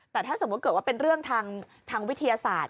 แต่ถ้าสมมุติเกิดว่าเป็นเรื่องทางวิทยาศาสตร์